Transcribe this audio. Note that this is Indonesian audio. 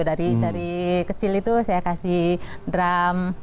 dari kecil itu saya kasih drum